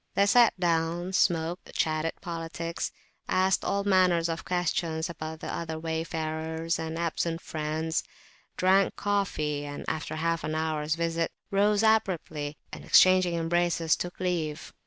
They sat down, smoked, chatted politics, asked all manner of questions about the other wayfarers and absent friends; drank coffee; and, after half an hour's visit, rose abruptly, and, exchanging embraces, took leave.